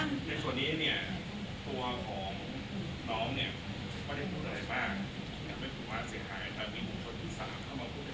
ก็ได้พูดอะไรบ้าง